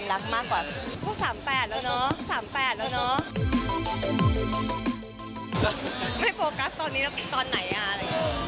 ไม่โฟกัสตอนนี้แล้วตอนไหน